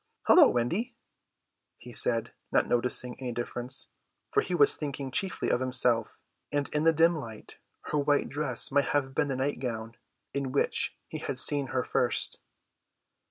"Hullo, Wendy," he said, not noticing any difference, for he was thinking chiefly of himself; and in the dim light her white dress might have been the nightgown in which he had seen her first.